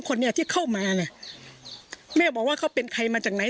คนนี้ที่เข้ามาน่ะแม่บอกว่าเขาเป็นใครมาจากไหน